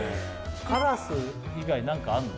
カラス以外に何かあんの？